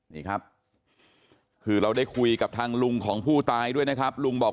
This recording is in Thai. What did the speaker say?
นี่ครับคือเราได้คุยกับทางลุงของผู้ตายด้วยนะครับลุงบอก